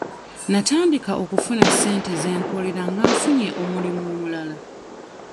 Natandika okufuna ssente ze nkolera nga nfunye omulimu omulala.